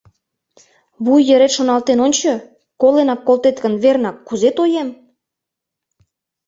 Вуй йырет шоналтен ончо, коленак колтет гын, вернак, кузе тоем?